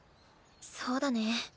そうだね。